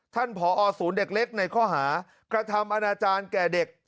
ผอศูนย์เด็กเล็กในข้อหากระทำอนาจารย์แก่เด็ก